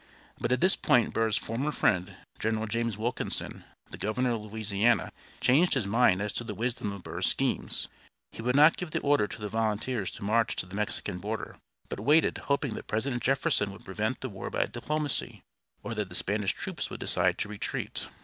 But at this point Burr's former friend, General James Wilkinson, the governor of Louisiana, changed his mind as to the wisdom of Burr's schemes. He would not give the order to the volunteers to march to the Mexican border, but waited, hoping that President Jefferson would prevent the war by diplomacy, or that the Spanish troops would decide to retreat.